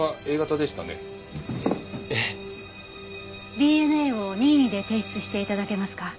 ＤＮＡを任意で提出して頂けますか？